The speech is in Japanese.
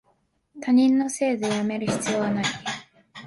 他人のせいでやめる必要はない